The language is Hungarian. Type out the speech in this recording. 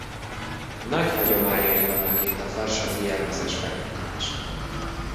Nagy hagyományai vannak itt a farsangi jelmezes felvonulásnak.